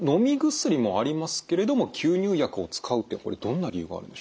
薬もありますけれども吸入薬を使うってこれどんな理由があるんでしょう？